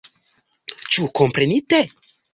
Ĉu komprenite?